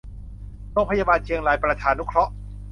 โรงพยาบาลเชียงรายประชานุเคราะห์